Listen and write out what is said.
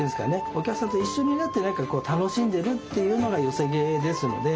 お客さんと一緒になって楽しんでるっていうのが寄席芸ですので。